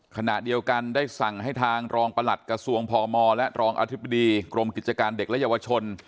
ขณะเดียวกันได้สั่งให้ทางรองประหลัดกระทรวงพมและรองอธิบดีกรมกิจการเด็กและเยาวชน